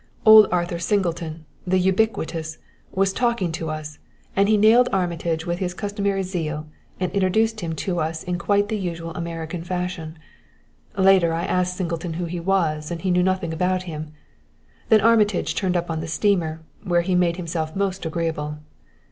Old Arthur Singleton the ubiquitous was talking to us, and he nailed Armitage with his customary zeal and introduced him to us in quite the usual American fashion. Later I asked Singleton who he was and he knew nothing about him. Then Armitage turned up on the steamer, where he made himself most agreeable.